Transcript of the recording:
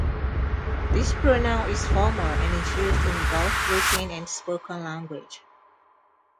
This pronoun is formal and is used in both written and spoken language.